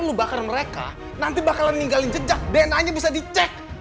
lu bakar mereka nanti bakalan ninggalin jejak dna nya bisa dicek